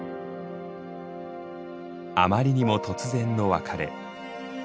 あまりにも突然の別れ。